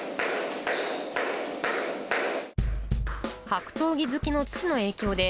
格闘技好きの父の影響で、